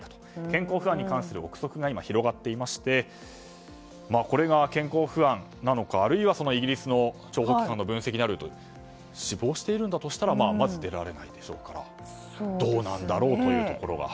健康不安に関する憶測が広がっていてこれが健康不安なのかあるいはイギリスの諜報機関の分析のように死亡しているんだとしたらまず出られないでしょうからどうなんだろうというところが。